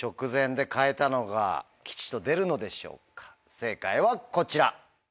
正解はこちら。